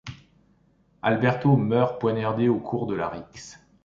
Alberto meurt poignardé au cours de la rixe.